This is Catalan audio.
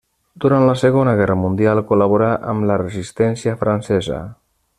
Durant la segona guerra mundial col·laborà amb la resistència francesa.